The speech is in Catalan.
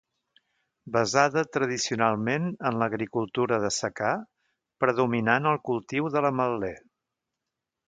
Basada tradicionalment en l'agricultura de secà, predominant el cultiu de l'ametler.